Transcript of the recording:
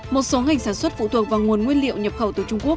một số ngành sản xuất phụ thuộc vào nguồn nguyên liệu nhập khẩu từ trung quốc